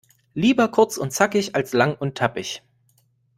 Lieber kurz und zackig, als lang und tappig..